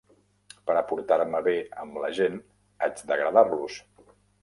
Per a portar-me bé amb la gent haig d'agradar-los.